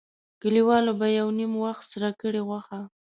کلیوالو به یو نیم وخت سره کړې غوښه.